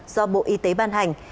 do bộ y tế ban hành